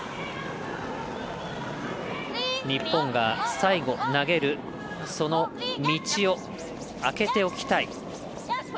日本が最後、投げるその道を空けておきたい。